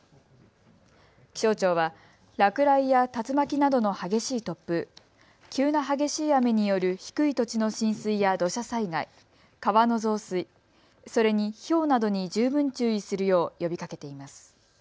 気象庁は落雷や竜巻などの激しい突風、急な激しい雨による低い土地の浸水や土砂災害、川の増水、それにひょうなどに十分注意するよう呼びかけています。